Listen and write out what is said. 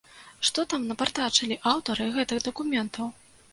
Што там напартачылі аўтары гэтых дакументаў?